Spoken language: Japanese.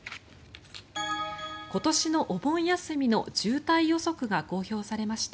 今年のお盆休みの渋滞予測が公表されました。